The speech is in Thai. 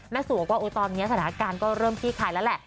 แม่สู่ว่าตอนนี้สถานการณ์ก็เริ่มพี่ข่ายแล้วแหละ